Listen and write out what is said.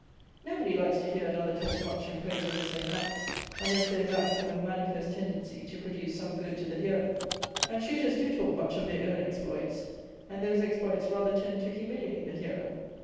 Nobody likes to hear another talk much in praise of his own acts, unless those acts have a manifest tendency to produce some good to the hearer; and shooters do talk much of their own exploits, and those exploits rather tend to humiliate the hearer.